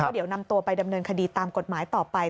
เดี๋ยวนำตัวไปดำเนินคดีตามกฎหมายต่อไป